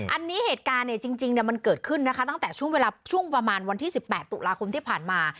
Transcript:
อันนี้เหตุการณ์เนี่ยจริงมันเกิดขึ้นนะคะตั้งแต่ช่วงเวลาช่วงประมาณวันที่๑๘ตุลาคมที่ผ่านมา